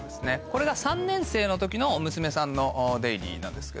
これが３年生の時の娘さんの出入りなんですけど。